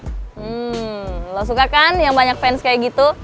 hmm lo suka kan yang banyak fans kayak gitu